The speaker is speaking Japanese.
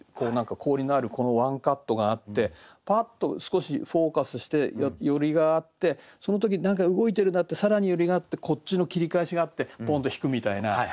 氷のあるこのワンカットがあってパッと少しフォーカスして寄りがあってその時何か動いてるなって更に寄りがあってこっちの切り返しがあってポンと引くみたいな。